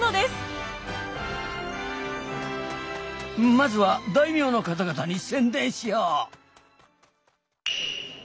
まずは大名の方々に宣伝しよう。